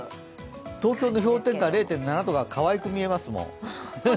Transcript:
東京の氷点下０．７度がかわいく見えますもん。